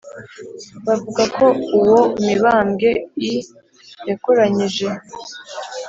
bavuga ko uwo mibambwe i yakoranyije